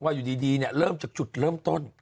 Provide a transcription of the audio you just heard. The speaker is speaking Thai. ว่าอยู่ดีเนี่ยเริ่มจากจุดเริ่มต้น